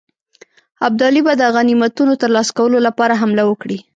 ابدالي به د غنیمتونو ترلاسه کولو لپاره حمله وکړي.